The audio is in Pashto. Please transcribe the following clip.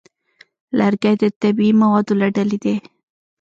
لرګی د طبیعي موادو له ډلې دی.